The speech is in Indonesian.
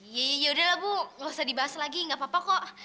ya udah lah bu nggak usah dibahas lagi nggak apa apa kok